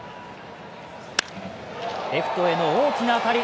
レフトへの大きな当たり。